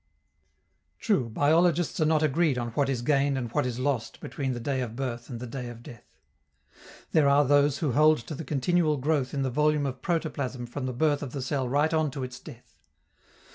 True, biologists are not agreed on what is gained and what is lost between the day of birth and the day of death. There are those who hold to the continual growth in the volume of protoplasm from the birth of the cell right on to its death.